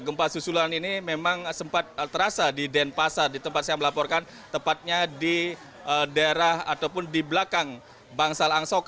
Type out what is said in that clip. gempa susulan ini memang sempat terasa di denpasar di tempat saya melaporkan tepatnya di daerah ataupun di belakang bangsal angsok